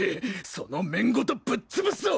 その面ごとぶっ潰すぞ！